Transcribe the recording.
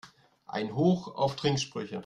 Ein Hoch auf Trinksprüche!